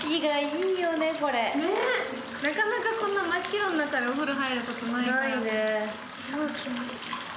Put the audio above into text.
なかなかこんな真っ白な中でお風呂に入ることないから、超気持ちいい。